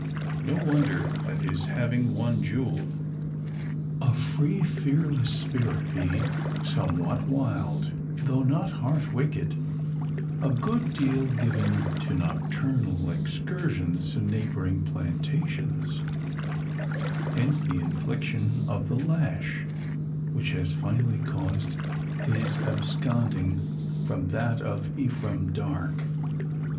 No wonder at his having won Jule! A free fearless spirit he: somewhat wild, though not heart wicked; a good deal given to nocturnal excursions to neighbouring plantations; hence the infliction of the lash, which has finally caused his absconding from that of Ephraim Darke.